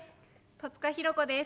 戸塚寛子です。